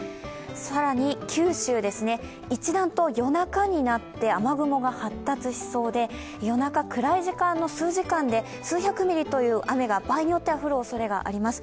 更に九州、一段と夜中になって雨雲が発達しそうで夜中、暗い時間の数時間で数百ミリという雨が場合によっては降るおそれがあります。